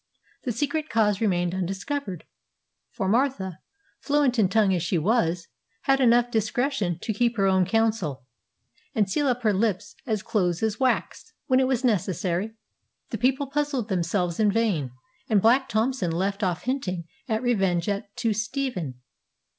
The secret cause remained undiscovered; for Martha, fluent in tongue as she was, had enough discretion to keep her own counsel, and seal up her lips as close as wax, when it was necessary. The people puzzled themselves in vain; and Black Thompson left off hinting at revenge to Stephen.